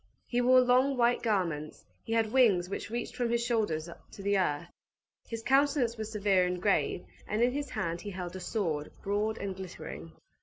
He wore long, white garments; he had wings which reached from his shoulders to the earth; his countenance was severe and grave; and in his hand he held a sword, broad and glittering.